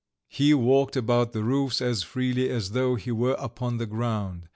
He walked about the roofs as freely as though he were upon the ground.